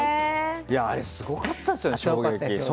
あれすごかったですよね、衝撃。